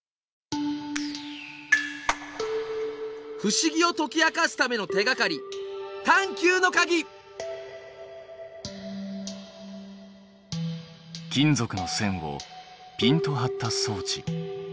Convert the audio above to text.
不思議を解き明かすための手がかり金属の線をピンと張った装置。